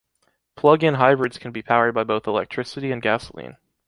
Plug-in hybrids can be powered by both electricity and gasoline.